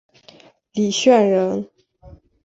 李绚人。